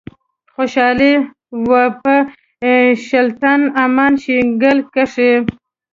خوشحالي وه په شُلتن، امان شیګل کښي